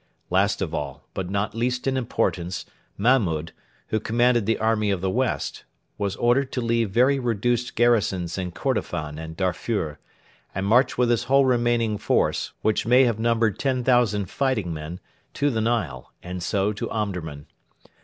Last of all, but not least in importance, Mahmud, who commanded the 'Army of the West,' was ordered to leave very reduced garrisons in Kordofan and Darfur, and march with his whole remaining force, which may have numbered 10,000 fighting men, to the Nile, and so to Omdurman.